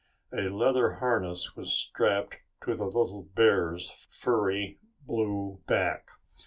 A leather harness was strapped to the little bear's furry blue back.